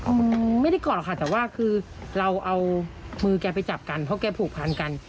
ไม่ได้กอดค่ะแต่ว่าคือเราเอามือแกไปจับกันเพราะแกผูกพันกัน